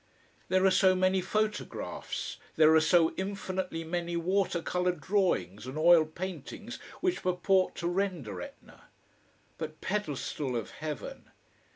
There are so many photographs, there are so infinitely many water colour drawings and oil paintings which purport to render Etna. But pedestal of heaven!